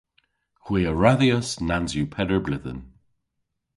Hwi a radhyas nans yw peder bledhen.